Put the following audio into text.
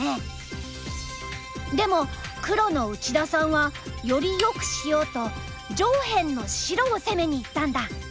でも黒の内田さんはよりよくしようと上辺の白を攻めにいったんだ。